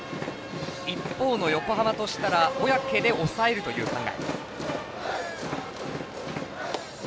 一方の横浜としたら小宅で抑えるという考え。